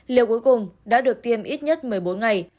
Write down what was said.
liều cuối cùng đã được tiêm ít nhất một mươi bốn ngày